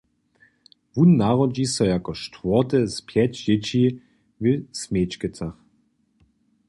Wón narodźi so jako štwórte z pjeć dźěći w Smječkecach.